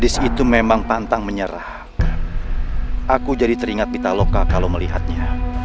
siapa manusia harimau ini